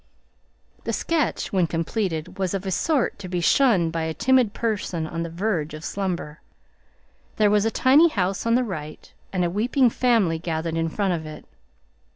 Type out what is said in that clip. The sketch when completed was of a sort to be shunned by a timid person on the verge of slumber. There was a tiny house on the right, and a weeping family gathered in front of it.